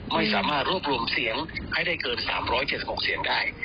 ไม่สามารถรวบรวมเสียงให้ได้เกิน๓๗๖เสียงได้